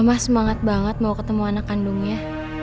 mama semangat banget mau ketemu anak kandungnya